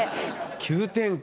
急展開。